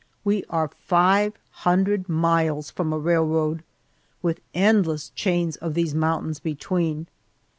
We are five hundred miles from a railroad, with endless chains of these mountains between.